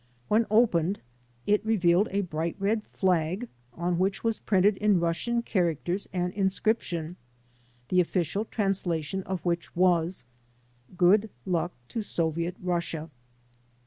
When opened, it revealed a bright red flag on which was printed in Russian characters an inscription, the official translation of which was: "Good Luck to Soviet Russia."